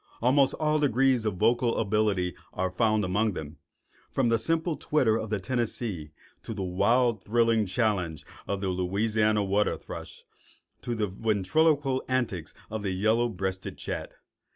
Almost all degrees of vocal ability are found among them, from the simple twitter of the Tennessee to the wild thrilling challenge of the Louisiana water thrush or the ventriloquial antics of the yellow breasted chat.